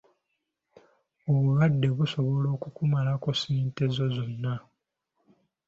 Obulwadde busobola okukumalako ssente zo zonna.